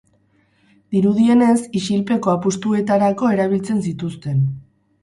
Dirudienez, isilpeko apustuetarako erabiltzen zituzten.